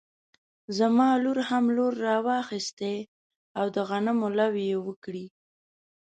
زما لور هم لور راواخيستی او د غنمو لو يې وکړی